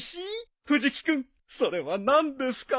藤木君それは何ですか？